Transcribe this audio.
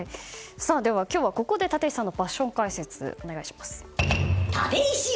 今日はここで立石さんのパッション解説、お願いします。